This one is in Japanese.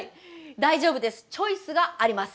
大丈夫です！